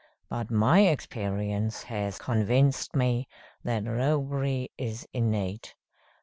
But my experience has convinced me that roguery is innate.